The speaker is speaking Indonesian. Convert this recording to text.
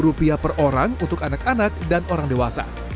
rp seratus per orang untuk anak anak dan orang dewasa